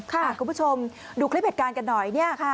คุณผู้ชมดูคลิปเหตุการณ์กันหน่อย